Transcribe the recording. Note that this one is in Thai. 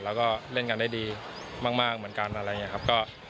แล้วก็เล่นกันได้ดีมากเหมือนกันอะไรอย่างนี้ครับ